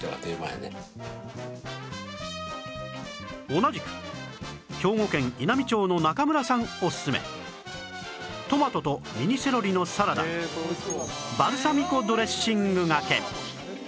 同じく兵庫県稲美町の中村さんオススメトマトとミニセロリのサラダバルサミコドレッシングがけ